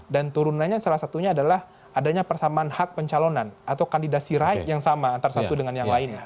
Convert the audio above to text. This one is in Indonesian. dan turunannya salah satunya adalah adanya persamaan hak pencalonan atau kandidasi right yang sama antara satu dengan yang lain